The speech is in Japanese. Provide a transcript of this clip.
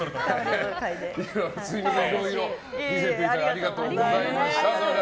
いろいろ見せていただいてありがとうございました。